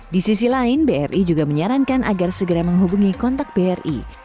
di sisi lain bri juga menyarankan agar segera menghubungi kontak bri